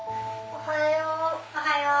おはよう。